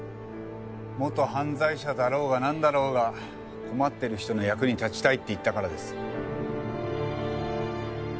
元犯罪者だろうがなんだろうが困ってる人の役に立ちたいって言ったからです。